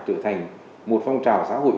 trở thành một phong trào xã hội